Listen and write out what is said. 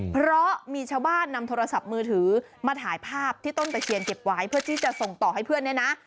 เพราะมีชาวบ้านนำโทรศัพท์มือถือมาถ่ายภาพที่ต้นตะเคียนเก็บไว้เพื่อที่จะส่งต่อให้เพื่อนเนี่ยนะ